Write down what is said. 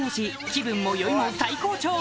気分も酔いも最高潮